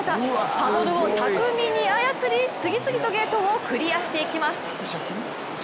パドルを巧みに操り次々とゲートをクリアしていきます。